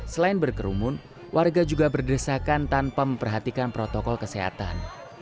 selain berkerumun warga juga berdesakan tanpa memperhatikan protokol kesehatan